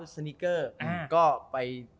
สนิกเกอร์ก็ไป